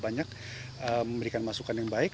banyak memberikan masukan yang baik